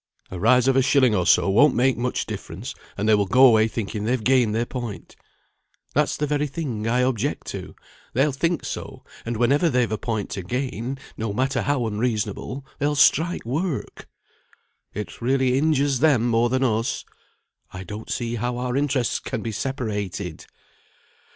"A rise of a shilling or so won't make much difference, and they will go away thinking they've gained their point." "That's the very thing I object to. They'll think so, and whenever they've a point to gain, no matter how unreasonable, they'll strike work." "It really injures them more than us." "I don't see how our interests can be separated."